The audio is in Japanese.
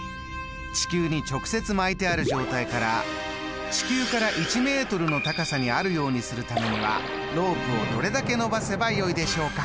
地球に直接巻いてある状態から地球から１ｍの高さにあるようにするためにはロープをどれだけ伸ばせばよいでしょうか。